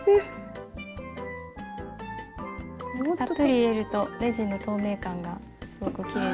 たっぷり入れるとレジンの透明感がすごくきれいなので。